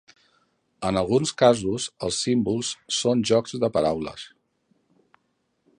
En alguns casos els símbols són "jocs de paraules".